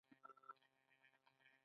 حقایق باید وویل شي